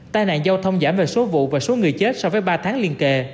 tai nạn giao thông giảm về số vụ và số người chết so với ba tháng liên kề